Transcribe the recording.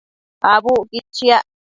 Abucquid chiac